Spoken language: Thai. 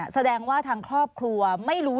แสดงว่าทางครอบครัวไม่รู้